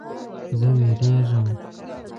زه ویریږم